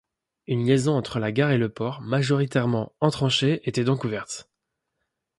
Une liaison entre la gare et le port, majoritairement en tranchée, était donc ouverte.